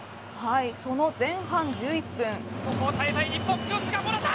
その前半１１分。